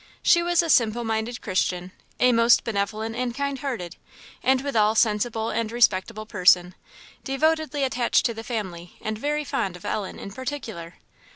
She was a simple minded Christian, a most benevolent and kind hearted, and withal sensible and respectable person; devotedly attached to the family, and very fond of Ellen in particular.